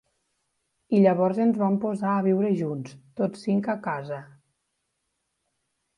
I llavors ens vam posar a viure junts, tots cinc a casa.